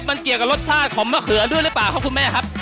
มันเกี่ยวกับรสชาติของมะเขือด้วยหรือเปล่าครับคุณแม่ครับ